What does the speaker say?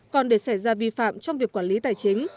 còn để xảy ra vi phạm trong việc quản lý tài chính